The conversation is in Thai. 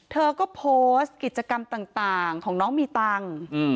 เธอก็โพสต์กิจกรรมต่างของน้องมีตังค์